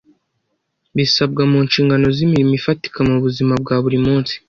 bisabwa mu nshingano z’imirimo ifatika mu buzima bwa buri munsi